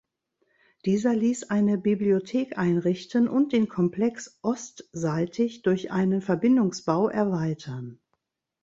Dieser ließ eine Bibliothek einrichten und den Komplex ostseitig durch einen Verbindungsbau erweitern.